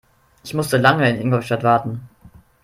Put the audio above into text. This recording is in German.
Ich musste lange in Ingolstadt warten